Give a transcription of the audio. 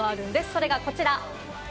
それが、こちら。